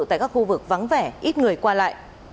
tại các khu vực vắng vẻ ít người qua lại